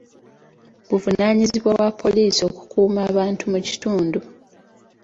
Buvunaanyizibwa bwa poliisi okukuuma abantu mu kitundu.